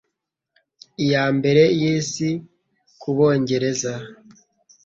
iya Mbere y'Isi ku Bongereza